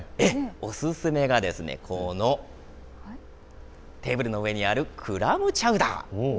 おすすめはこのテーブルの上にあるクラムチャウダー。